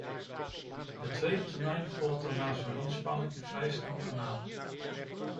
De tweede termijn volgt dan na zo'n inspanning vrij snel daarna.